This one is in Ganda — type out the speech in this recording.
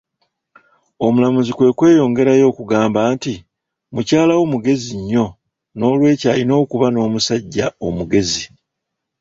Omulamuzi kwe kweyongerayo okugamba nti, mukyala wo mugezi nnyo, n'olwekyo ayina okuba n'omusajja omugezi.